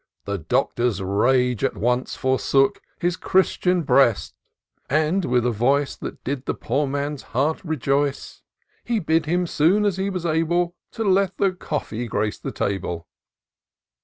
The Doctor*i3 rage at once forsook His Christian breast ; and, with a voice That did the poor man's heart rejoice, He bid him, soon as he was able. To let the cofiee grace the table.